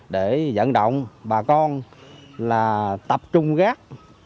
để dẫn động bà con là tập trung rác